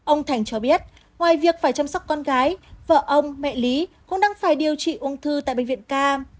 ông thành cho biết ngoài việc phải chăm sóc con gái vợ ông mẹ lý cũng đang phải điều trị ung thư tại bệnh viện ca